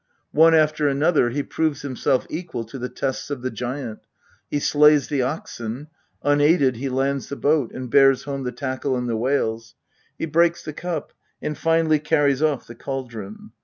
One after another, he proves himself equal to the tests of the giant he slays the oxen ; unaided, he lands the boat, and bears home the tackle and the whales ; he breaks the cup, and finally carries off the cauldron.